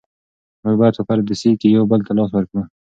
موږ باید په پردیسۍ کې یو بل ته لاس ورکړو.